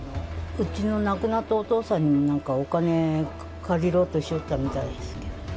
うちの亡くなったお父さんにも、なんかお金借りようとしてたみたいだけど。